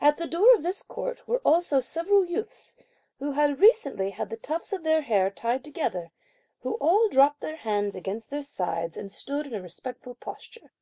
At the door of this court, were also several youths, who had recently had the tufts of their hair tied together, who all dropped their hands against their sides, and stood in a respectful posture.